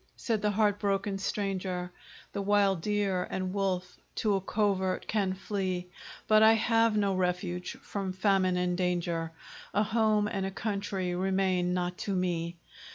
said the heart broken stranger; The wild deer and wolf to a covert can flee, But I have no refuge from famine and danger. A home and a country remain not to me.